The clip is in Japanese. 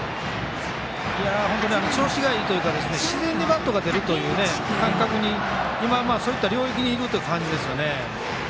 本当に調子がいいというか自然にバットが出るという感覚に今、そういった領域にいるという感じですよね。